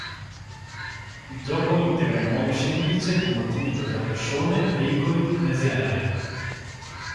Il gioco integra in modo semplice il combattimento tra persone, veicoli e mezzi aerei.